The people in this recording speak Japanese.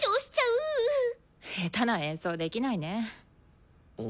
下手な演奏できないね。